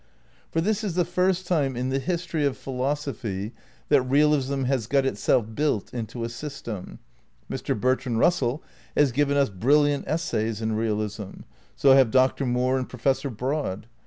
For this is the first time in the history of philosophy that realism has got itself built into a system. Mr. Bertrand Russell has given us brilliant essays in realism. So have Dr. Moore and Professor Broad.